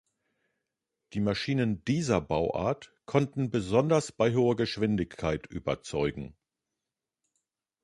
Die Maschinen dieser Bauart konnten besonders bei hoher Geschwindigkeit überzeugen.